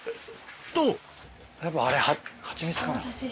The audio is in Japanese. とやっぱあれハチミツかな？